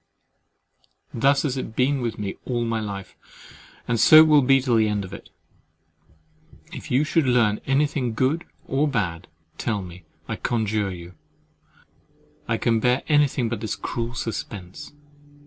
Thus has it been with me all my life; and so will it be to the end of it!—If you should learn anything, good or bad, tell me, I conjure you: I can bear anything but this cruel suspense.